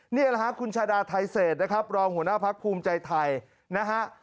นี่แหละฮะคุณชาดาไทเศษนะครับรองหัวหน้าพักภูมิใจไทยนะฮะ